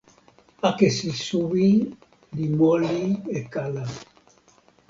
akesi suwi li moli e kala